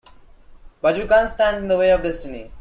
But you can't stand in the way of destiny.